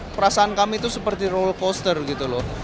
perasaan kami itu seperti rollercoaster gitu loh